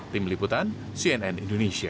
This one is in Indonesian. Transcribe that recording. tim liputan cnn indonesia